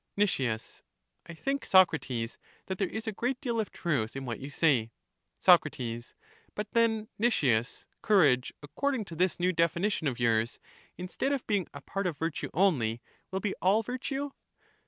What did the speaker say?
Nic. I think, Socrates, that there is a great deal of truth in what you say. Soc. But then, Nicias, courage, according to this/j new definition of yours, instead of being a part o^ virtue only, will be all virtue?